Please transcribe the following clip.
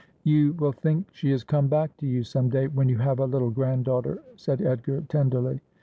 ' You will think she has come back to you some day, when you have a little granddaughter,' said Edgar tenderly.